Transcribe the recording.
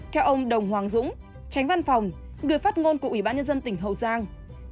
theo ông đồng hoàng dũng tránh văn phòng gửi phát ngôn của ubnd tỉnh hậu giang